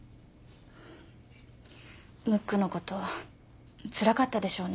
ムックのことつらかったでしょうね